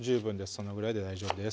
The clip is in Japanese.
そのぐらいで大丈夫です